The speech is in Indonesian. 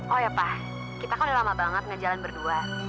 oh ya pak kita kan udah lama banget ngejalan berdua